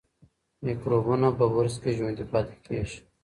میکروبونه په برس کې ژوندي پاتې کېږي.